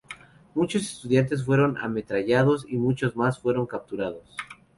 Muchos estudiantes fueron ametrallados y muchos más fueron capturados.